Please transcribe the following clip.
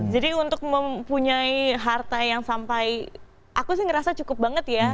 jadi untuk mempunyai harta yang sampai aku sih ngerasa cukup banget ya